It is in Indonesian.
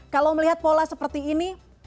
kalau melihat pola seperti ini